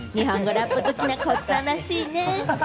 ラップ好きな高地さんらしいね。